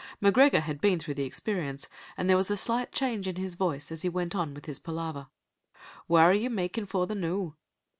M'Gregor had been through the experience, and there was a slight change in his voice as he went on with his palaver. "Whaur are ye makin' for the noo?"